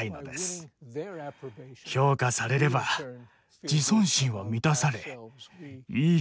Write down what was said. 評価されれば自尊心は満たされいい気分になれるのです。